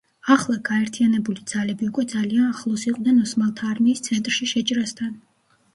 ახლა, გაერთიანებული ძალები უკვე ძალიან ახლოს იყვნენ ოსმალთა არმიის ცენტრში შეჭრასთან.